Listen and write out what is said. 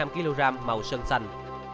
một mươi ba năm kg màu sơn xanh